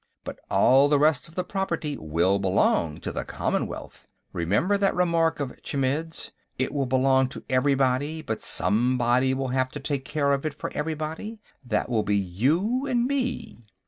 But all the rest of the property will belong to the Commonwealth. Remember that remark of Chmidd's: 'It will belong to everybody, but somebody will have to take care of it for everybody. That will be you and me.'"